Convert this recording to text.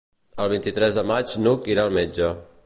El vint-i-tres de maig n'Hug irà al metge.